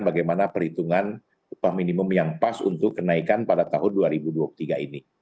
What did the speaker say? bagaimana perhitungan upah minimum yang pas untuk kenaikan pada tahun dua ribu dua puluh tiga ini